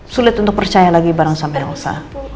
sulit untuk percaya lagi bareng sama elsa